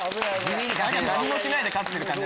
何もしないで勝ってる感じ。